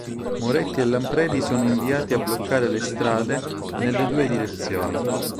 Moretti e Lampredi sono inviati a bloccare la strada nelle due direzioni.